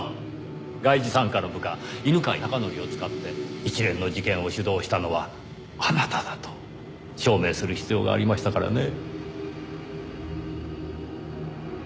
外事三課の部下犬飼孝則を使って一連の事件を主導したのはあなただと証明する必要がありましたからねぇ。